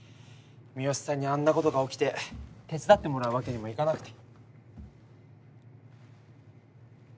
三好さんにあんなことが起きて手伝ってもらうわけにもいかなくて。